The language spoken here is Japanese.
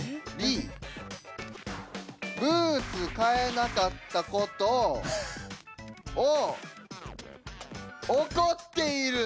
「Ｂ」「ブーツ買えなかったこと」「Ｏ」「怒っている」「Ｏ」